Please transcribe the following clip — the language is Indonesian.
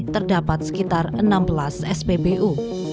terdapat sekitar enam belas spbu